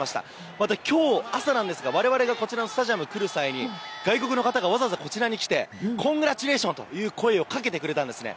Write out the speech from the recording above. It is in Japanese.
またきょう朝なんですが、われわれがこちらのスタジアム来る際に、外国の方がわざわざこちらに来て、コングラチュレーションという声をかけてくれたんですね。